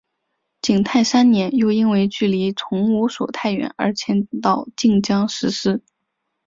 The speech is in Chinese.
景泰三年又因为距离崇武所太远而迁到晋江石狮。